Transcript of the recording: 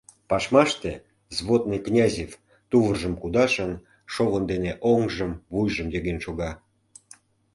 Пашмаште взводный Князев, тувыржым кудашын, шовын дене оҥжым, вуйжым йыген шога.